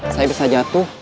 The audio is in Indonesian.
saya bisa jatuh